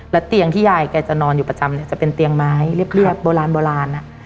เตียงที่ยายแกจะนอนอยู่ประจำเนี่ยจะเป็นเตียงไม้เรียบโบราณโบราณ